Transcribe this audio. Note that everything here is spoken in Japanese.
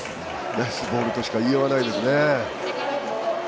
ナイスボールとしか言いようがないですね。